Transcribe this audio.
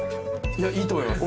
いいと思います。